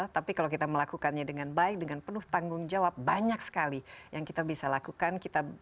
tapi kalau kita melakukannya dengan baik dengan penuh tanggung jawab banyak sekali yang kita bisa lakukan